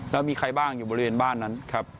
แล้วมีใครบ้างอยู่บริเวณบ้านนั้นครับ